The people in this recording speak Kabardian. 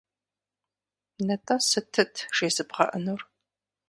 Нтӏэ сытыт жезыбгъэӏэнур?